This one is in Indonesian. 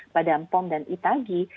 badan pom dan itagi